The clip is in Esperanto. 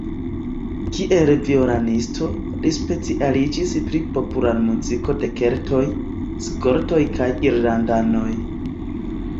Kiel violonisto, li specialiĝis pri popolmuziko de keltoj, skotoj kaj irlandanoj.